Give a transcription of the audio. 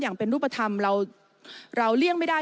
อย่างเป็นรูปธรรมเราเลี่ยงไม่ได้